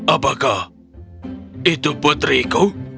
apakah itu putriku